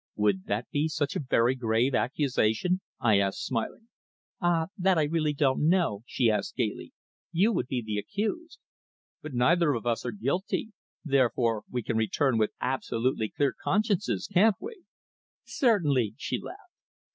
"Would that be such a very grave accusation?" I asked, smiling. "Ah, that I really don't know," she answered gaily. "You would be the accused." "But neither of us are guilty, therefore we can return with absolutely clear consciences, can't we?" "Certainly," she laughed.